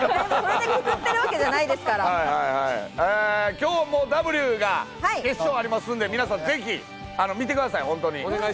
今日も『Ｗ』が、決勝ありますんで、皆さんぜひ見てください、本当に。